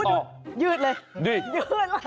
อุ้ยยื่นเลยยื่นแหละ